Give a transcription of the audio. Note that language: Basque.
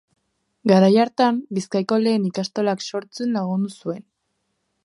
Garai hartan, Bizkaiko lehen ikastolak sortzen lagundu zuen.